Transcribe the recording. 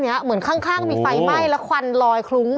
แต่ในสถานการณ์ที่คนไข้เขาประสบปัญหาหรือว่าได้รับความทุกข์เดือดร้อนอะไรมาเนี้ย